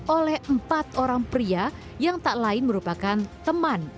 oleh empat orang pria yang tak lain merupakan teman